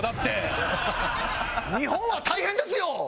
日本は大変ですよ！